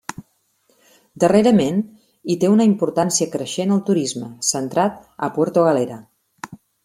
Darrerament hi té una importància creixent el turisme, centrat a Puerto Galera.